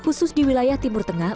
khusus di wilayah timur tengah